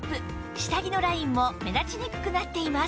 下着のラインも目立ちにくくなっています